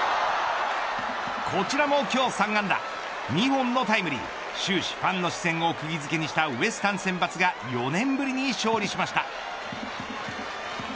こちらも今日３安打２本のタイムリー終始ファンの視線をくぎづけにしたウエスタン先発が４年ぶりに勝利しました。